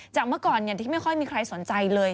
เมื่อก่อนที่ไม่ค่อยมีใครสนใจเลย